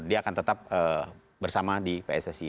dia akan tetap bersama di pssi